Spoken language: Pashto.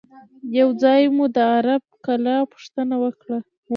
یو ځای مو د عرب کلا پوښتنه وکړه.